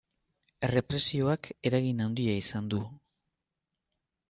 Errepresioak eragin handia izan du.